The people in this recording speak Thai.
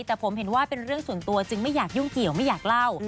แต่ผมเห็นว่าเป็นเรื่องส่วนตัวจึงไม่อยากยุ่งเกี่ยวไม่อยากเล่า